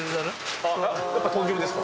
やっぱ豚汁ですか？